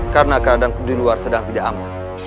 karena kadang di luar sedang tidak aman